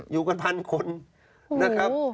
อยู่กันพันคนนะครับ